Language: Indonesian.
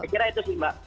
saya kira itu sih mbak